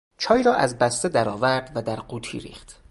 چای را از بسته درآورد و در قوطی ریخت.